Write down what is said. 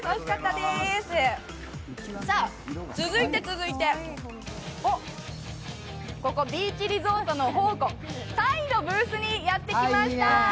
続いて続いて、ここビーチリゾートの宝庫、タイのブースにやってきました。